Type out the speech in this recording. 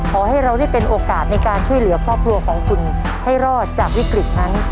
ขอให้เราได้เป็นโอกาสในการช่วยเหลือครอบครัวของคุณให้รอดจากวิกฤตนั้น